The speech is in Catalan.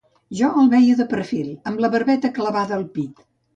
Jo el veia de perfil, amb la barbeta clavada al pit